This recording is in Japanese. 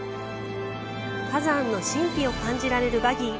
火山の神秘を感じられるバギー